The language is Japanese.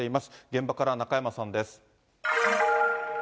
現場から中山さんです。